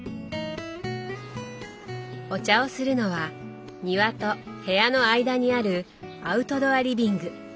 お茶をするのは庭と部屋の間にあるアウトドアリビング。